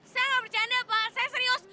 saya enggak bercanda pak saya serius